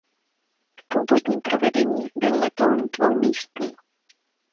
V původním provedení byl letoun dvoumístný.